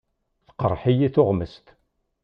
Teqreḥ-iyi tuɣmest.